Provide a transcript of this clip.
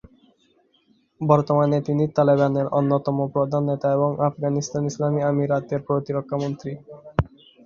বর্তমানে তিনি তালেবানের অন্যতম প্রধান নেতা এবং আফগানিস্তান ইসলামি আমিরাতের প্রতিরক্ষামন্ত্রী।